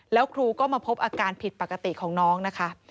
แล้วครูก็มาพบอาการผิดปกติของน้องนะคะ